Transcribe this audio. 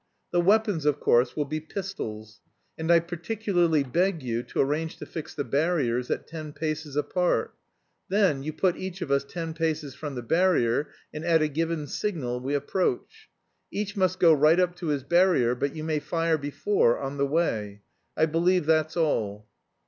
The weapons, of course, will be pistols. And I particularly beg you to arrange to fix the barriers at ten paces apart; then you put each of us ten paces from the barrier, and at a given signal we approach. Each must go right up to his barrier, but you may fire before, on the way. I believe that's all."